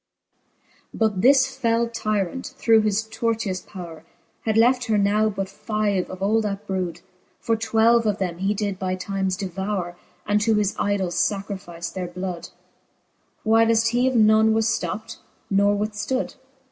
VIII. But this fell tyrant, through his tortious powre, Had left her now but five of all that brood : For twelve of them he did by times devoure, And to his idols lacrifice their blood, Whileft he of none was flopped, nor withftood.